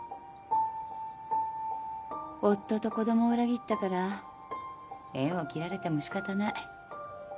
夫と子供を裏切ったから縁を切られても仕方ない。